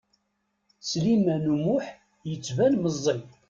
Sliman U Muḥ yettban meẓẓi.